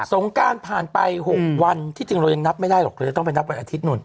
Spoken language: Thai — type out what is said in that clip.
งการผ่านไป๖วันที่จริงเรายังนับไม่ได้หรอกเราจะต้องไปนับวันอาทิตย์นู่น